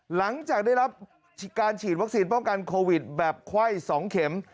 หลังจากได้รับการฉีดวัคซีนป้องกันโควิดแบบไข้๒เข็ม